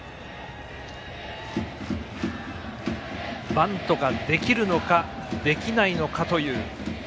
バントができるのかできないのかという。